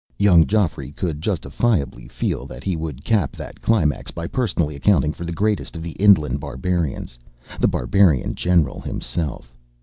Young Geoffrey could justifiably feel that he would cap that climax by personally accounting for the greatest of the inland barbarians; the barbarian general himself.